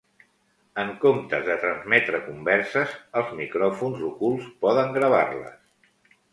En comptes de transmetre converses, els micròfons ocults poden gravar-les.